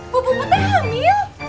bu bupetnya hamil